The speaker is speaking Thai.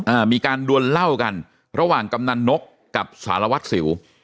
อ่ามีการดวนเหล้ากันระหว่างกำนันนกกับสารวัตรสิว